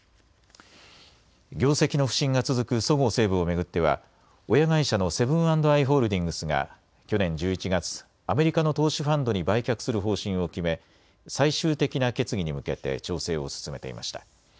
業績の不振が続くそごう・西武を巡っては親会社のセブン＆アイ・ホールディングスが去年１１月、アメリカの投資ファンドに売却する方針を決め、最終的な決議に向けて調整を進めていました。